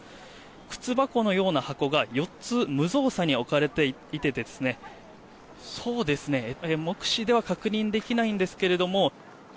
靴箱のような箱が４つ、無造作に置かれていて目視では確認できないんですけども。